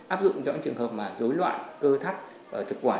áp dụng cho những trường hợp mà dối loạn cơ thắt thực quản